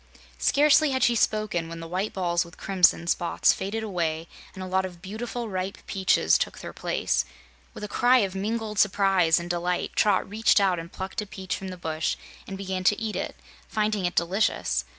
Scarcely had she spoken when the white balls with crimson spots faded away and a lot of beautiful ripe peaches took their place. With a cry of mingled surprise and delight Trot reached out and plucked a peach from the bush and began to eat it, finding it delicious.